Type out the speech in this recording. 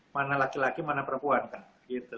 mana laki laki mana perempuan kan gitu